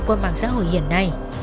qua mạng xã hội hiện nay